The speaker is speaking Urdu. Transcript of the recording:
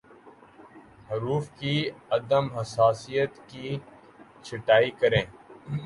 حروف کی عدم حساسیت کی چھٹائی کریں